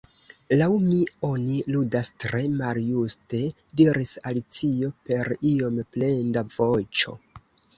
"Laŭ mi, oni ludas tre maljuste," diris Alicio per iom plenda voĉo.